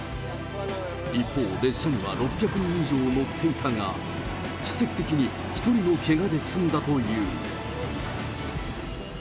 一方、列車には６００人以上乗っていたが、奇跡的に１人のけがで済んだという。